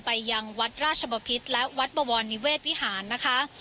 ไปยังวัดราชบพิษและวัดบวรนิเวศวิหารนะคะ